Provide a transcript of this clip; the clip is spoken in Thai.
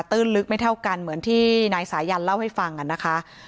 ลึกไม่เท่ากันเหมือนที่นายสายันเล่าให้ฟังนะคะ